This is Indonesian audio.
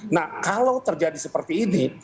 nah kalau terjadi seperti ini